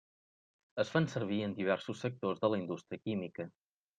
Es fan servir en diversos sectors de la indústria química.